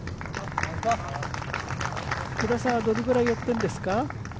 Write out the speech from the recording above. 福田さんはどれぐらい寄っているんですか？